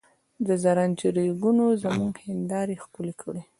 د زرنج ریګونو زموږ هندارې ښکل کړې.